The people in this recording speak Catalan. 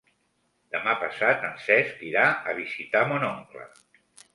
Demà passat en Cesc irà a visitar mon oncle.